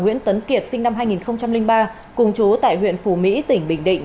nguyễn tấn kiệt sinh năm hai nghìn ba cùng chú tại huyện phù mỹ tỉnh bình định